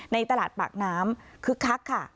ในตลาดปากน้ำคึกคักค่ะ